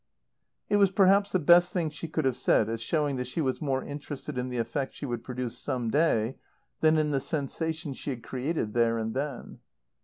It was perhaps the best thing she could have said, as showing that she was more interested in the effect she would produce some day than in the sensation she had created there and then.